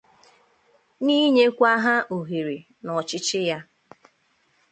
na inyekwa ha òhèrè n'ọchịchị ya.